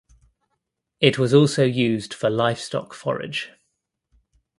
It was also used for livestock forage.